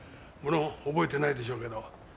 無論覚えてないでしょうけど。